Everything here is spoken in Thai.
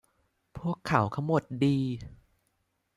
พวกเขาทั้งหมดดี